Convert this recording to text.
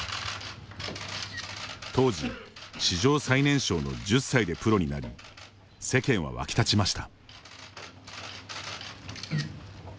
当時史上最年少の１０歳でプロになり世間は沸き立ちました。